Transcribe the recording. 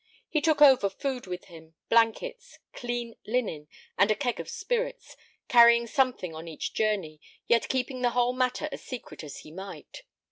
He took over food with him, blankets, clean linen, and a keg of spirits, carrying something on each journey, yet keeping the whole matter as secret as he might.